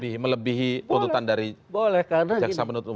melebihi melebihi tuntutan dari jaksa penutup umum